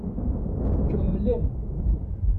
Kemmlen.